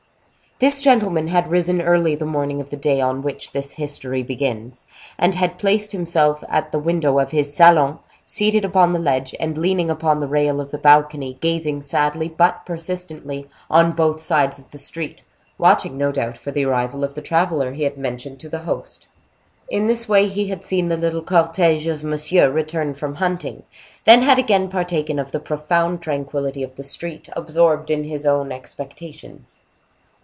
This gentleman had risen early the morning of the day on which this history begins, and had placed himself at the window of his salon, seated upon the ledge, and leaning upon the rail of the balcony, gazing sadly but persistently on both sides of the street, watching, no doubt, for the arrival of the traveler he had mentioned to the host. In this way he had seen the little cortege of Monsieur return from hunting, then had again partaken of the profound tranquillity of the street, absorbed in his own expectations.